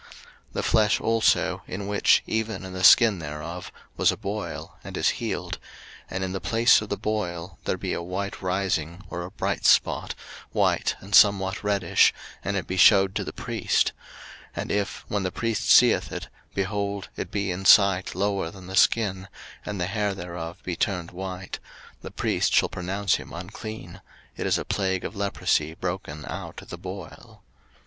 03:013:018 The flesh also, in which, even in the skin thereof, was a boil, and is healed, 03:013:019 And in the place of the boil there be a white rising, or a bright spot, white, and somewhat reddish, and it be shewed to the priest; 03:013:020 And if, when the priest seeth it, behold, it be in sight lower than the skin, and the hair thereof be turned white; the priest shall pronounce him unclean: it is a plague of leprosy broken out of the boil.